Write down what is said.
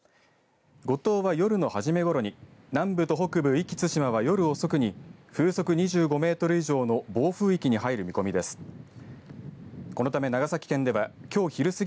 五島は夜の初めごろに、南部と北部、壱岐・対馬は夜遅くに風速２５メートル以上の暴風域に入る見込みです。